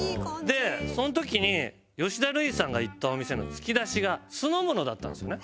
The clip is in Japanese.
でその時に吉田類さんが行ったお店の突き出しが酢の物だったんですよね。